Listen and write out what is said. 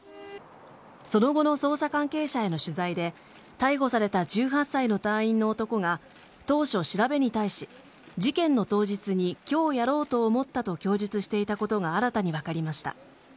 その後の捜査関係者への取材で逮捕された１８歳の隊員の男が当初、調べに対し事件の当日に今日やろうと思ったと供述していたことが新たに分かりました。